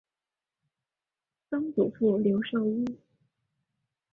曾祖父刘寿一。